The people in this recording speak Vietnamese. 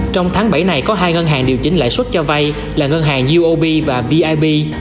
trong tháng bảy này có hai ngân hàng điều chỉnh lãi suất cho vay là ngân hàng ub và vib